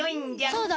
そうだ！